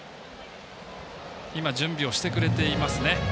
今、準備をしてくれていますね。